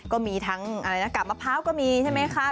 ก็มีทั้งกาบมะพร้าวก็มีใช่ไหมคะ